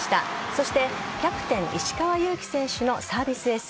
そしてキャプテン石川祐希選手のサービスエース。